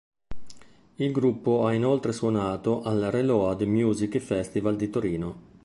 Il gruppo ha inoltre suonato al Reload Music Festival di Torino.